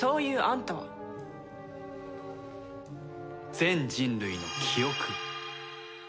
「全人類の記憶」。